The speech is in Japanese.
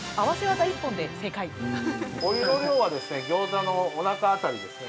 お湯の量はですねギョーザのおなか辺りですね。